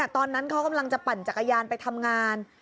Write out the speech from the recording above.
ตอนนั้นเขากำลังจะปั่นจักรยานไปทำงาน